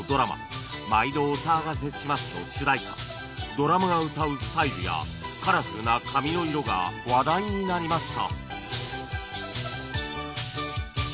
ドラムが歌うスタイルやカラフルな髪の色が話題になりました